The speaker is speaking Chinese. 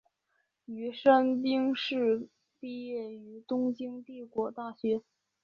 宇山兵士毕业于东京帝国大学。